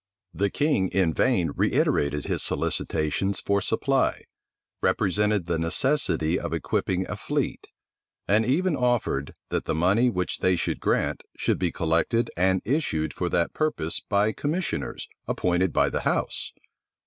The king in vain reiterated his solicitations for supply; represented the necessity of equipping a fleet; and even offered, that the money which they should grant should be collected and issued for that purpose by commissioners appointed by the house.